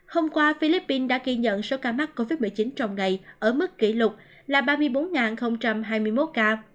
hôm qua philippines đã ghi nhận số ca mắc covid một mươi chín trong ngày ở mức kỷ lục là ba mươi bốn hai mươi một ca